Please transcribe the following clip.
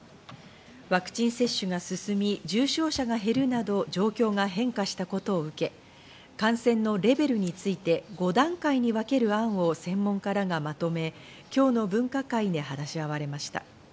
ワクチン接種が進み、重症者が減るなど状況が変化したことを受け、感染のレベルについて５段階に分ける案を専門家らがまとめ、今日の分科会で話し合われました。